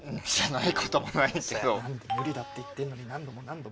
何で無理だって言ってんのに何度も何度も。